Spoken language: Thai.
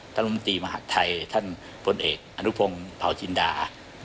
ท่านมุมติมหาธัยท่านบนเอกอนุพงศ์เผาจินดา